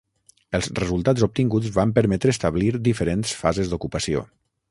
Els resultats obtinguts van permetre establir diferents fases d'ocupació.